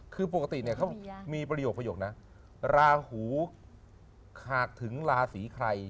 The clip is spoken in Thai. คือปกติมีประโยคนะราหูขากถึงราศีใคร